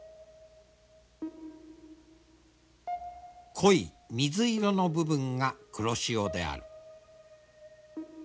濃い水色の部分が黒潮である。